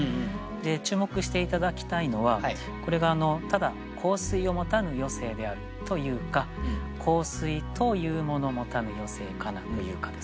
注目して頂きたいのはこれがただ「香水を持たぬ余生である」と言うか「香水といふもの持たぬ余生かな」と言うかですね。